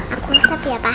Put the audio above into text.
aku usap ya pak